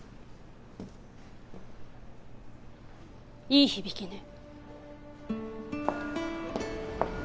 いい響きね。